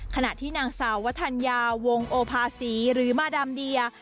ขณะที่นางสาววัฒนยาวงโอภาษีหรือมาดามเดีย